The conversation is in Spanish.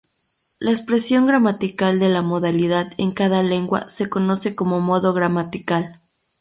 La expresión gramatical de la modalidad en cada lengua se conoce como modo gramatical.